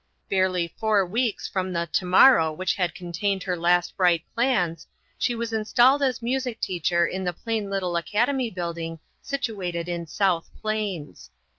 Barely four weeks from the " to morrow " which had contained her last bright plans, she was installed as music teacher in the plain little academy building situated in South Plains.